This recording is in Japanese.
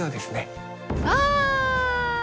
わ。